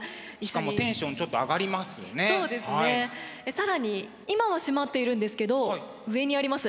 更に今は閉まっているんですけど上にあります